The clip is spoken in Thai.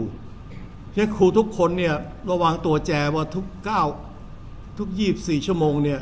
เพราะฉะนั้นครูทุกคนเนี่ยระวังตัวแจว่าทุก๒๔ชั่วโมงเนี่ย